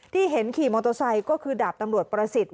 เห็นขี่มอเตอร์ไซค์ก็คือดาบตำรวจประสิทธิ์